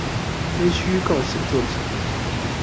非虛構寫作指南